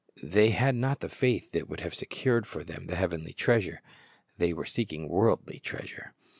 They had not the faith that would have secured for them the heavenly treasure. They were seeking worldly treasure.